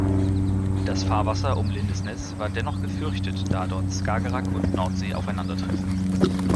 Das Fahrwasser um Lindesnes war dennoch gefürchtet, da dort Skagerrak und Nordsee aufeinandertreffen.